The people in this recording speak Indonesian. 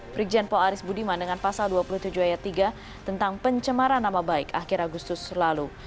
brigjen paul aris budiman dengan pasal dua puluh tujuh ayat tiga tentang pencemaran nama baik akhir agustus lalu